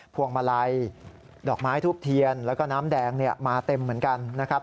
พวงมาลัยดอกไม้ทูบเทียนแล้วก็น้ำแดงมาเต็มเหมือนกันนะครับ